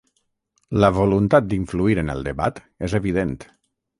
La voluntat d’influir en el debat és evident.